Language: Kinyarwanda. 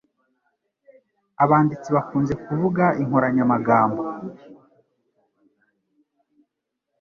Abanditsi bakunze kuvuga inkoranyamagambo.